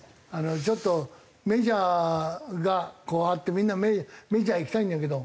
ちょっとメジャーがこうあってみんなメジャー行きたいんだけど。